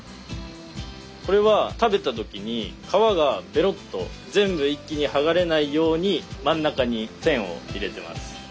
これは食べた時に皮がベロッと全部一気にはがれないように真ん中に線を入れてます。